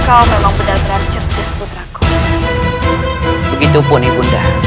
kau memang benar benar cerdas putraku begitu pun ibu